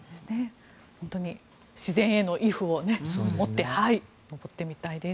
本当に自然への畏怖を持って登ってみたいです。